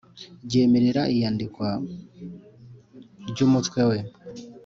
ryemerera iyandikwa ry umutwe we